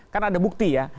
kan ada bukti ya